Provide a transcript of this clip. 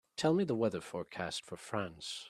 Tell me the weather forecast for France